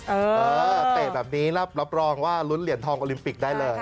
เออเตะแบบนี้รับรองว่าลุ้นเหรียญทองโอลิมปิกได้เลย